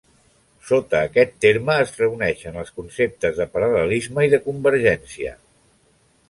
Sota aquest terme es reuneixen els conceptes de paral·lelisme i de convergència.